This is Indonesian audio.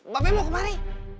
babe mau kemari